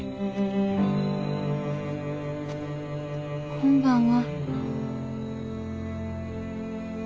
こんばんは。